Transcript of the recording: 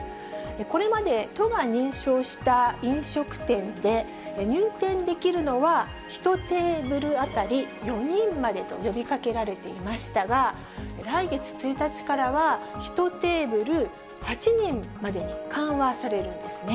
これまで、都が認証した飲食店で、入店できるのは、１テーブル当たり４人までと呼びかけられていましたが、来月１日からは、１テーブル８人までに緩和されるんですね。